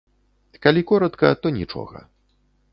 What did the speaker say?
Калі коратка, то нічога.